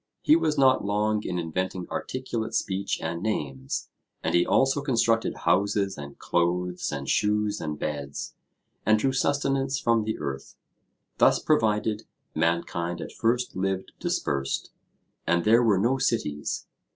He was not long in inventing articulate speech and names; and he also constructed houses and clothes and shoes and beds, and drew sustenance from the earth. Thus provided, mankind at first lived dispersed, and there were no cities.